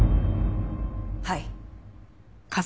はい。